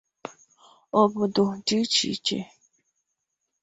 Obodo dị iche iche